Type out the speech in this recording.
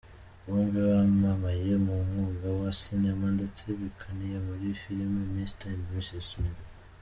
Bombi bamamaye mu mwuga wa sinema ndetse bakinanye muri filime Mr and Mrs Smith.